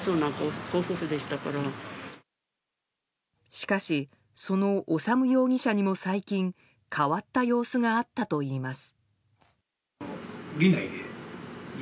しかし、その修容疑者にも最近変わった様子があったといいます。